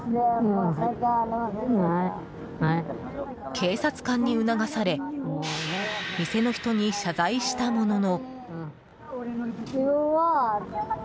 警察官に促され店の人に謝罪したものの。